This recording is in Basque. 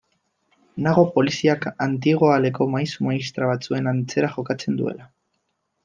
Nago poliziak antigoaleko maisu-maistra batzuen antzera jokatzen duela.